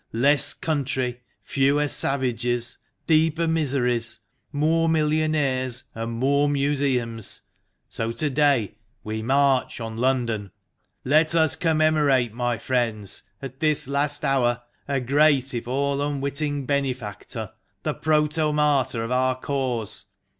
Less country, fewer savages, deeper miseries, more millionaires, and more museums. So to day we march on London. " Let us commemorate, my friends, at this last hour, a great, if all unwitting benefactor, the protomartyr of our cause.